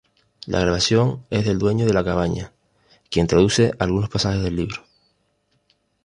La grabación es del dueño de la cabaña, quien traduce algunos pasajes del libro.